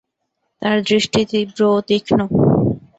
তার দৃষ্টি তীব্র ও তীক্ষ্ণ।